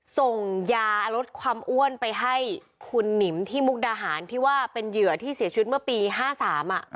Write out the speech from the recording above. ส่งยาลดความอ้วนไปให้คุณหนิมที่มุกดาหารที่ว่าเป็นเหยื่อที่เสียชีวิตเมื่อปีห้าสามอ่ะ